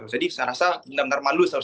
jadi saya rasa benar benar malu saya harus